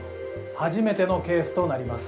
初めてのケースとなります。